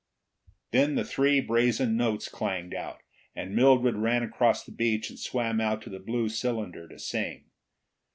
Then the three brazen notes clanged out, and Mildred ran across the beach and swam out to the blue cylinder to sing.